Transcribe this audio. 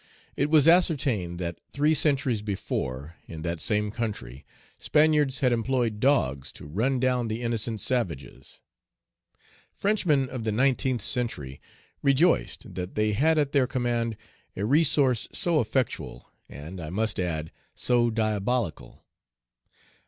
It was ascertained that three centuries before, in that Page 265 same country, Spaniards had employed dogs to run down the innocent savages. Frenchmen of the nineteenth century rejoiced that they had at their command a resource so effectual, and, I must add, so diabolical.